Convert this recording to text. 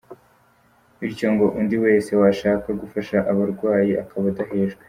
Bityo ngo undi wese washaka gufasha abarawayi akaba adahejwe.